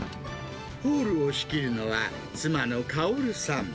ホールを仕切るのは、妻の薫さん。